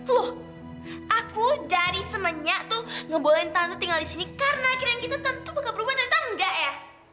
loh aku dari semenya tuh ngebolain tante tinggal disini karena kirain kita tentu bakal berubah dari tangga ya